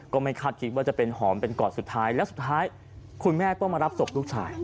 ก็ไม่คาดคิดว่าจะเป็นหอมเป็นกอดสุดท้ายแล้วสุดท้ายคุณแม่ต้องมารับศพลูกชาย